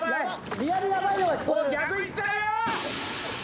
逆行っちゃうよ！